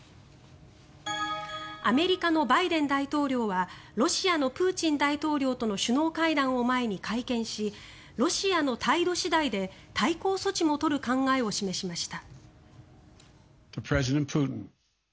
アメリカのバイデン大統領はロシアのプーチン大統領との首脳会談を前に会見しロシアの態度次第で対抗措置も取る考えを示しました。